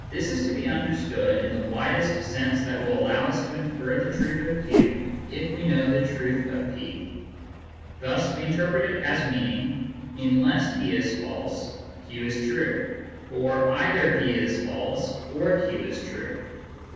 This is to be understood in the widest sense that will allow us to infer the truth of q if we know the truth of p. Thus we inter pret it as meaning :" Unless p is false, q is true," or " either p is false or q is true."